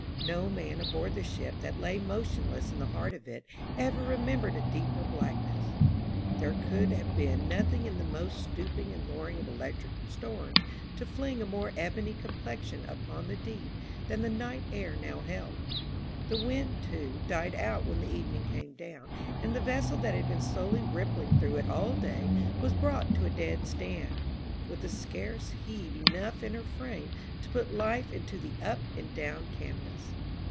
No man aboard the ship that lay motionless in the heart of it ever remembered a deeper blackness. There could have been nothing in the most stooping and lowering of electric storms to fling a more ebony complexion upon the deep than the night air now held. The wind, too, died out when the evening came down, and the vessel that had been slowly rippling through it all day was brought to a dead stand, with scarce heave enough in her frame to put life into the up and down canvas.